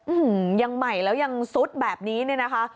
อืมยังใหม่แล้วยังซุดแบบนี้เนี่ยนะคะ